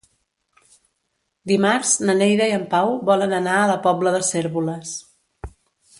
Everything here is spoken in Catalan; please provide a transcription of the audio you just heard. Dimarts na Neida i en Pau volen anar a la Pobla de Cérvoles.